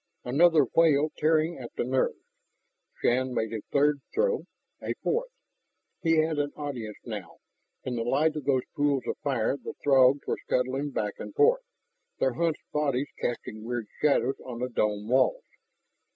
Another wail tearing at the nerves. Shann made a third throw, a fourth. He had an audience now. In the light of those pools of fire the Throgs were scuttling back and forth, their hunched bodies casting weird shadows on the dome walls.